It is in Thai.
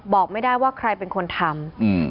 บอกไม่ได้ว่าใครเป็นคนทำ